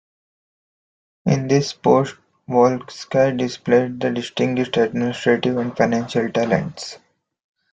In this post Volynsky displayed distinguished administrative and financial talents.